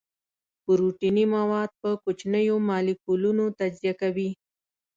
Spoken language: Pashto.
پروتیني مواد په کوچنیو مالیکولونو تجزیه کوي.